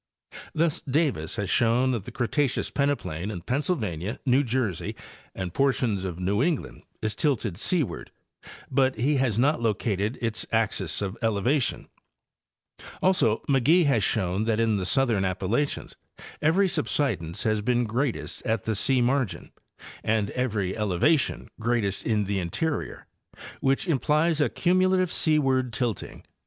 Thus Davis has shown that the Cretaceous pene plain in Pennsylvania, New Jersey and portions of New England is tilted seaward, but he has not located its axis of elevation ; also McGee has shown that in the southern Appalachians every subsidence has been greatest at the sea margin and every eleva tion greatest in the interior, which implies a cumulative seaward tilting.